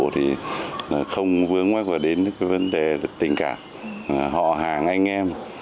thì không vướng mắt vào đến cái vấn đề tình cảm họ hàng anh em